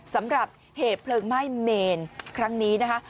สำหรับเหตุเพลิงไหม้เมนครั้งนี้นะคะ